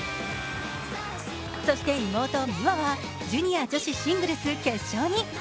そして妹・美和は、ジュニア女子シングルス決勝に。